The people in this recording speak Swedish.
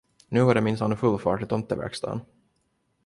Nu var det minsann full fart i tomteverkstaden.